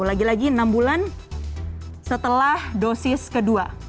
lagi lagi enam bulan setelah dosis ke dua